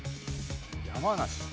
山梨。